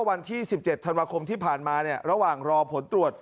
สันวคมที่ผ่านมาเนี่ยระหว่างรอผลตรวจ